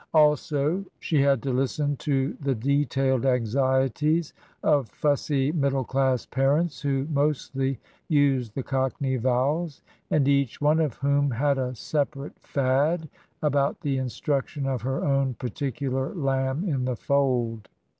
Also she had to listen to the detailed anxieties of fussy middle class parents, who mostly used the cockney vowels ; and each one of whom had a separate fad about the instruction of her own particular lamb in the fold.